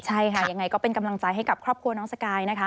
ใช่ค่ะยังไงก็เป็นกำลังใจให้กับครอบครัวน้องสกายนะคะ